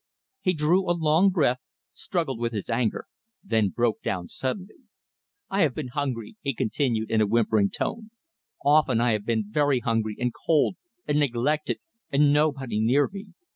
He drew a long breath, struggled with his anger, then broke down suddenly. "I have been hungry," he continued, in a whimpering tone "often I have been very hungry and cold and neglected and nobody near me.